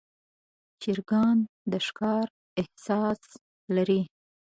چرګان د ښکار احساس لري.